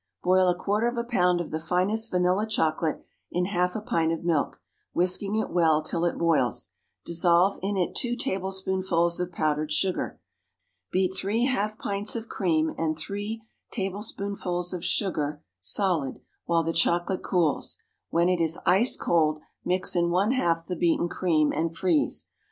_ Boil a quarter of a pound of the finest vanilla chocolate in half a pint of milk, whisking it well till it boils; dissolve in it two tablespoonfuls of powdered sugar. Beat three half pints of cream and three tablespoonfuls of sugar solid while the chocolate cools; when it is ice cold mix in one half the beaten cream, and freeze.